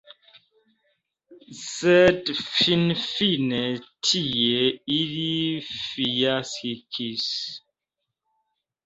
Sed finfine tie ili fiaskis.